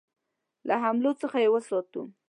له حملو څخه یې وساتو.